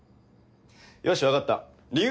よし分かった理由